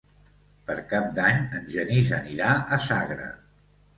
Per Cap d'Any en Genís anirà a Sagra.